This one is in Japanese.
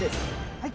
はい。